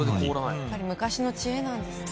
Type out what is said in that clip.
やっぱり昔の知恵なんですね。